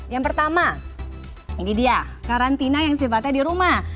yang pertama ini dia karantina yang sifatnya di rumah